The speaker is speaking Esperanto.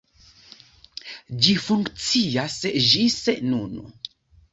Ĝi funkcias ĝis nun.